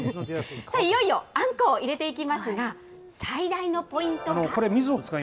いよいよあんこう、入れていきますが、最大のポイントが。